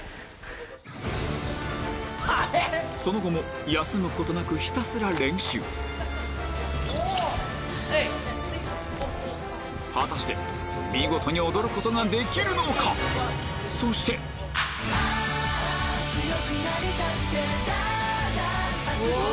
その後も休むことなくひたすら練習果たして見事に踊ることができるのか⁉そしてうお！